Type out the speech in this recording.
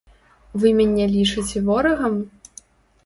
Вы мяне лічыце ворагам?